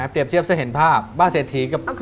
เทียบเทียบเสะเห็นภาพบ้าเศรษฐีกับคุก